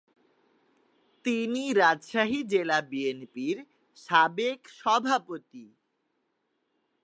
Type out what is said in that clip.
তিনি রাজশাহী জেলা বিএনপির সাবেক সভাপতি।